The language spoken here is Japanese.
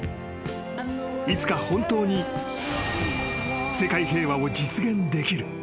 ［いつか本当に世界平和を実現できる］